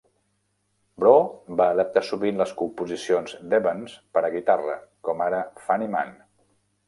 Breau va adaptar sovint les composicions d'Evans per a guitarra, com ara "Funny Man".